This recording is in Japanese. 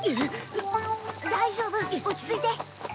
大丈夫落ち着いて。